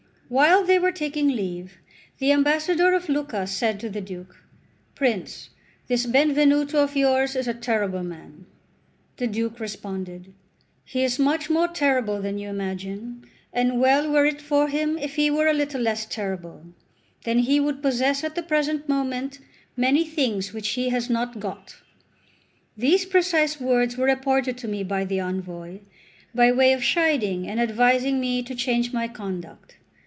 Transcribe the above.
While they were taking leave the ambassador of Lucca said to the Duke: "Prince, this Benvenuto of yours is a terrible man!" The Duke responded: "He is much more terrible than you imagine, and well were it for him if he were a little less terrible; then he would possess at the present moment many things which he has not got." These precise words were reported to me by the envoy, by way of chiding and advising me to change my conduct.